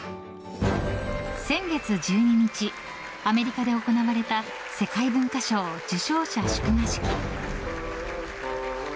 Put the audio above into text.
先月１２日アメリカで行われた世界文化賞受賞者祝賀式。